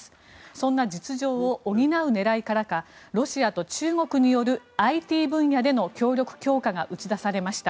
そんな実情を補う狙いからかロシアと中国によるＩＴ分野での協力強化が打ち出されました。